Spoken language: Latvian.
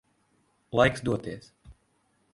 Laiks doties.